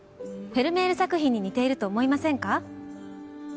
フェルメール作品に似ていると思いませんか？